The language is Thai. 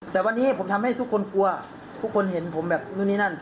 แต่วันนี้ผมทำให้ทุกคนกลัวทุกคนเห็นผมแบบนู่นนี่นั่น